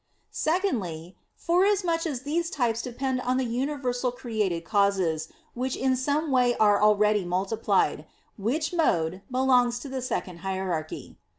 Secondly, forasmuch as these types depend on the universal created causes which in some way are already multiplied; which mode belongs to the second hierarchy.